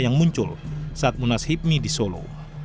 yang muncul saat munas hipmi di solo